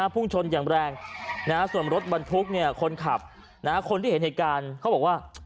พุ่งชนอย่างแรงส่วนรถบรรทุกคนขับคนที่เห็นเหตุการณ์เขาบอกว่า